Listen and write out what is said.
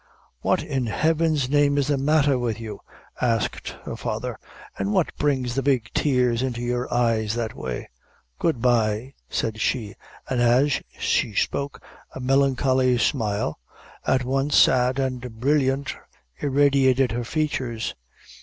"What in Heaven's name is the matther with you?" asked her father; "an' what brings the big tears into your eyes that way?" "Good bye," said she; and as she spoke, a melancholy smile at once sad and brilliant irradiated her features.